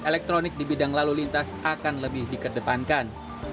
elektronik di bidang lalu lintas akan lebih dikedepankan